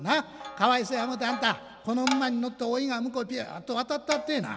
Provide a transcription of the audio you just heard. かわいそうや思てあんたこの馬に乗って大井川向こうへピュっと渡ったってえな。